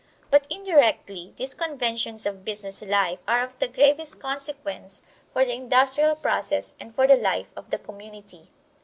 But indirectly these conventions of business life are of the gravest consequence for the industrial process and for the life of the community.